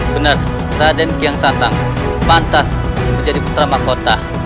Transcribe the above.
benar raden giang santang pantas menjadi putra mahkota